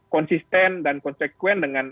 konsisten dan konsekuen dengan